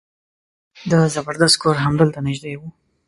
د زبردست کور همدلته نژدې و.